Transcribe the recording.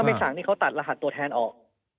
ไม่สั่งนี่เขาตัดรหัสตัวแทนออก